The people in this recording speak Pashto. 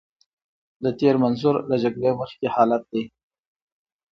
له تېر منظور له جګړې مخکې حالت دی.